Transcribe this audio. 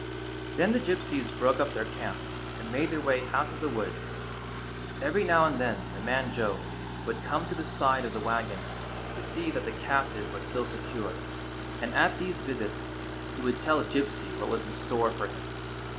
Then the Gypsies broke up their camp, and made their way out of the woods. Every now and then the man Joe would come to the side of the wagon to see that the captive was still secure, and at these visits he would tell Gypsy what was in store for him.